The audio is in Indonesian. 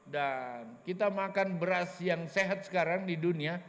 dan kita makan beras yang sehat sekarang di dunia